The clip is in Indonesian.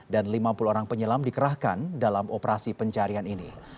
dan lima puluh orang penyelam dikerahkan dalam operasi pencarian ini